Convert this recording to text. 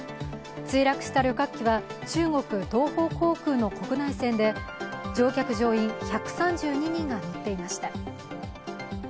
墜落した旅客機は中国東方航空の国内線で乗客・乗員１３２人が乗っていました。